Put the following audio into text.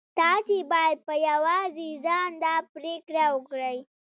تاسې بايد په يوازې ځان دا پرېکړه وکړئ.